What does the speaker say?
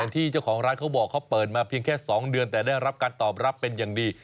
ที่เจ้าของร้านเขาบอกเขาเปิดมาเพียงแค่๒เดือนแต่ได้รับการตอบรับเป็นอย่างดี